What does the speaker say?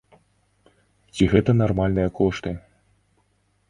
Ці гэта нармальныя кошты?